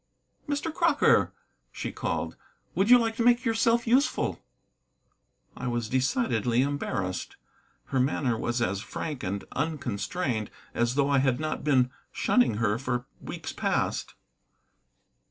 "Mr. Crocker," she called, "would you like to make yourself useful?" I was decidedly embarrassed. Her manner was as frank and unconstrained as though I had not been shunning her for weeks past.